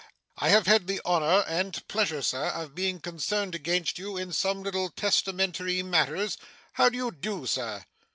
I have had the honour and pleasure, Sir, of being concerned against you in some little testamentary matters. How do you do, sir?